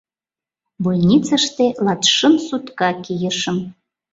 Больницыште латшым сутка кийышым.